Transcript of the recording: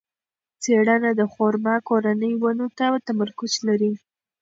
څېړنه د خورما کورنۍ ونو ته تمرکز لري.